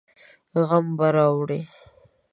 غم به راوړي.